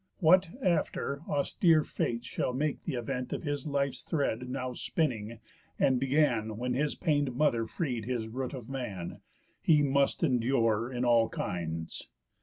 What, after, austere Fates shall make th' event Of his life's thread, now spinning, and began When his pain'd mother freed his root of man, He must endure in all kinds.